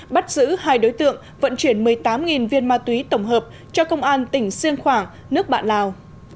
bắt giữ hai đối tượng vận chuyển một mươi tám viên ma túy tổng hợp cho công an tỉnh siêng khoảng nước bạn lào